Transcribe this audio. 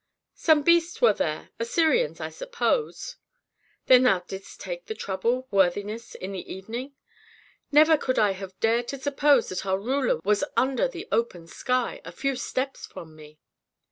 "Some beasts were there, Assyrians, I suppose." "Then thou didst take the trouble, worthiness, in the evening? Never could I have dared to suppose that our ruler was under the open sky, a few steps from me."